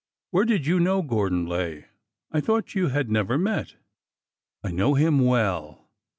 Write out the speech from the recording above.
'' Where did you know Gordon Lay? I thought you had never met." I know him well.